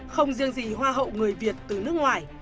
không riêng gì hoa hậu người việt từ nước ngoài